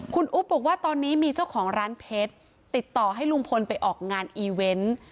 คุณอุ๊บบอกว่าตอนนี้มีเจ้าของร้านเพชรติดต่อให้ลุงพลไปออกงานอีเวนต์